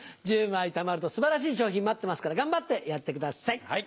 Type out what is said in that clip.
１０枚たまると素晴らしい賞品待ってますから頑張ってやってください。